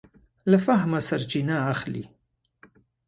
له فهمه سرچینه اخلي.